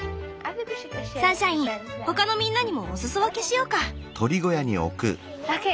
サンシャイン他のみんなにもおすそ分けしようか。